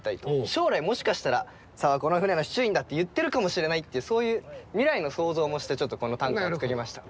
将来もしかしたら「さわはこの船の司厨員だ」って言ってるかもしれないってそういう未来の想像もしてちょっとこの短歌を作りました。